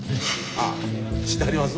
あっ知ってはります？